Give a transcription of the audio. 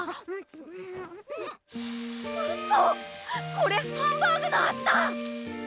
これハンバーグの味だ！